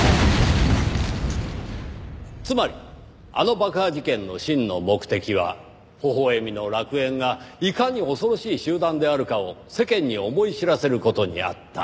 つまりあの爆破事件の真の目的は微笑みの楽園がいかに恐ろしい集団であるかを世間に思い知らせる事にあった。